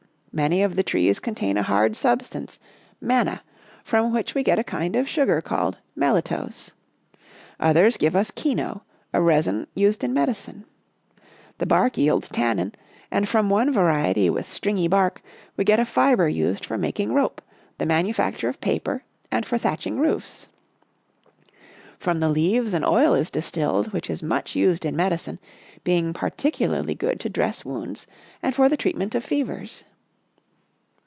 Many of the trees contain a hard substance, ' manna,' from which we get a kind of sugar called melitose. Others give us kino, a resin used in medicine. The bark yields tannin, and from one variety with ' stringy bark ' we get a fibre used for making rope, the manufacture of paper and for thatching roofs. From the leaves an oil is distilled which is much used in medicine, being particularly good to dress wounds and for the treatment of fevers."